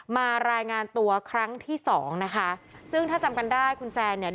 มารายงานตัวครั้งที่สองนะคะซึ่งถ้าจำกันได้คุณแซนเนี่ย